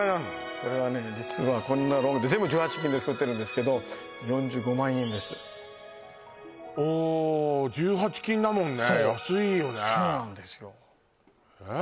それはね実はこんな全部１８金で作ってるんですけど４５万円ですおっ１８金だもんね安いよねそうそうなんですよえっ？